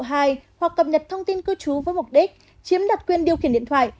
hoặc cập nhật thông tin cư trú với mục đích chiếm đặt quyền điều khiển điện thoại